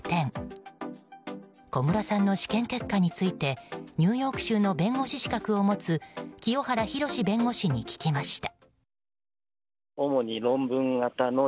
小室さんの試験結果についてニューヨーク州弁護士資格を持つ清原博弁護士に聞きました。